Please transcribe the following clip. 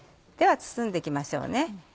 では包んで行きましょうね。